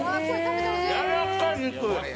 やらかい、肉。